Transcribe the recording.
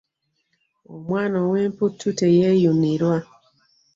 Omwana ow'emputu teyeeyunirwa.